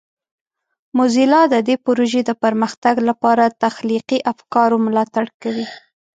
موزیلا د دې پروژې د پرمختګ لپاره د تخلیقي افکارو ملاتړ کوي.